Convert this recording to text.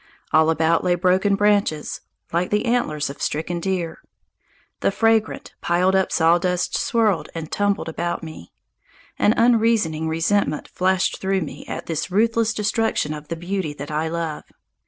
All about lay broken branches, like the antlers of stricken deer. The fragrant, piled up sawdust swirled and tumbled about me. An unreasoning resentment flashed through me at this ruthless destruction of the beauty that I love.